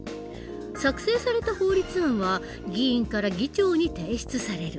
作成された法律案は議員から議長に提出される。